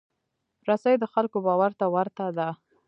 رسۍ د خلکو باور ته ورته ده.